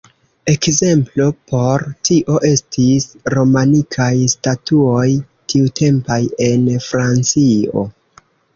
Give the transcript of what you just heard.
Ekzemplo por tio estis romanikaj statuoj tiutempaj en Francio.